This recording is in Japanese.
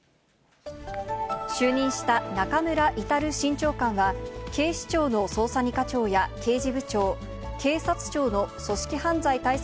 就任した中村格新長官は、警視庁の捜査２課長や刑事部長、警察庁の組織犯罪対策